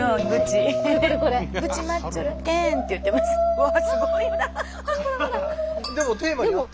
うわっすごいな。